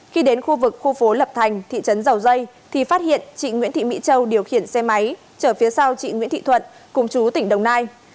khi đến khu vực khu phố lập thành thị trấn dầu dây thì phát hiện chị nguyễn thị mỹ châu điều khiển xe máy chở phía sau chị nguyễn thị thuận cùng chú tỉnh đồng nai